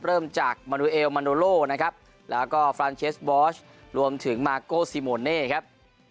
เริ่มจากมันโลโลนะครับแล้วก็บอร์ชรวมถึงมาโกซิโมเน่ครับ